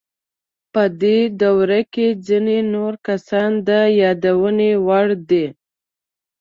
په دې دوره کې ځینې نور کسان د یادونې وړ دي.